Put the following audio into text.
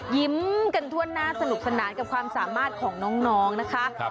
ยิ้มกันทั่วหน้าสนุกสนานกับความสามารถของน้องนะคะ